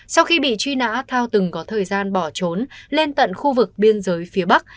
sau khi bị truy nã thao từng có thời gian bỏ trốn lên tận khu vực biên giới phía bắc